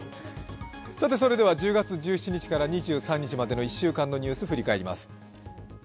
さて、それでは１０月１７日から２３日までの１週間のニュース、振り返ります。